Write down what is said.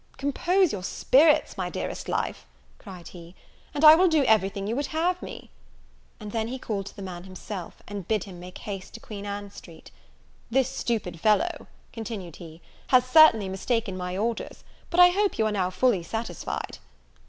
"Compose your spirits, my dearest life," cried he, "and I will do everything you would have me." And then he called to the man himself, and bid him make haste to Queen Ann Street. "This stupid fellow," continued he, "has certainly mistaken my orders; but I hope you are now fully satisfied."